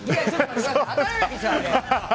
当たらないでしょ、あれ。